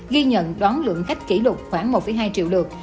ghi nhận đón lượng khách kỷ lục khoảng một hai triệu lượt